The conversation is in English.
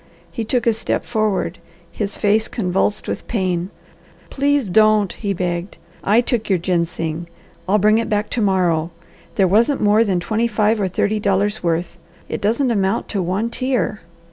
He took a step forward, his face convulsed with pain. "Please don't!" he begged. "I took your ginseng. I'll bring it back to morrow. There wasn't more than twenty five or thirty dollars' worth. It doesn't amount to one tear."